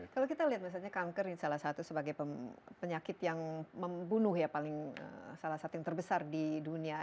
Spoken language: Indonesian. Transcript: kalau kita lihat misalnya kanker ini salah satu sebagai penyakit yang membunuh ya paling salah satu yang terbesar di dunia